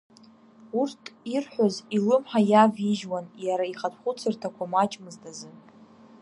Урҭ ирҳәоз илымҳа иавижьуан, иара ихатә хәыцырҭақәа маҷмызт азы.